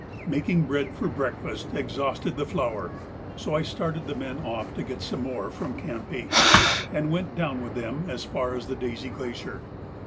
Making bread for breakfast exhausted the flour, so I started the men off to get some more from Camp H, and went down with them as far as the Daisy Glacier.